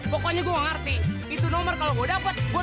pokoknya gua gak ngerti itu nomor kalau gua dapet itu berapa